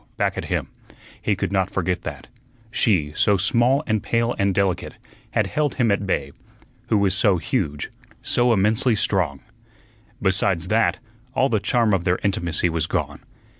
back at him; he could not forget that. She, so small and pale and delicate, had held him at bay, who was so huge, so immensely strong. Besides that, all the charm of their intimacy was gone.